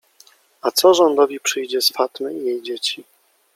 - A co rządowi przyjdzie z Fatmy i jej dzieci?